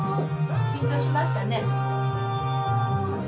緊張しましたね。